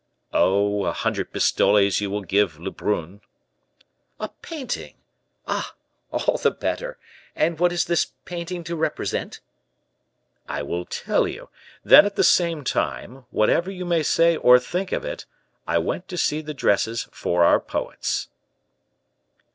"Oh! a hundred pistoles you will give Lebrun." "A painting? Ah! all the better! And what is this painting to represent?" "I will tell you; then at the same time, whatever you may say or think of it, I went to see the dresses for our poets."